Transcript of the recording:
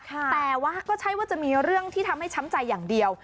แต่ว่าก็ใช่ว่าจะมีเรื่องที่ทำให้ช้ำใจอย่างเดียว